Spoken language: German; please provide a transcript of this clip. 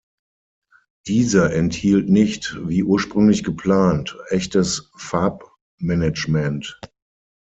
Diese enthielt nicht, wie ursprünglich geplant, echtes Farbmanagement.